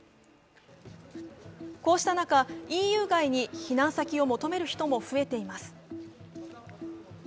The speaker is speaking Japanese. こうした中、ＥＵ外に避難先を求める人も増えています。